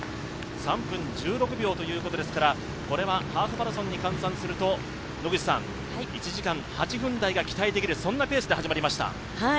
３分１６秒ということですから、ハーフマラソンに換算すると１時間８分台が期待できるそんなレースで始まりました。